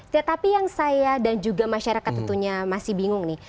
tetapi yang saya dan juga masyarakat tentunya masih bingung nih